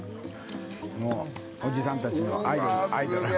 もうおじさんたちのアイドルうわ